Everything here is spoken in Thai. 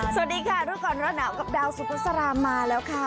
สวัสดีค่ะรู้ก่อนร้อนหนาวกับดาวสุภาษามาแล้วค่ะ